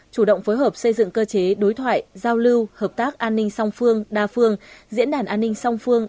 chủ động phối hợp xây dựng cơ chế đối thoại giao lưu hợp tác an ninh song phương đa phương diễn đàn an ninh song phương